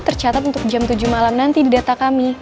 tercatat untuk jam tujuh malam nanti di data kami